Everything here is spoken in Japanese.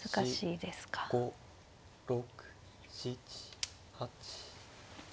５６７８。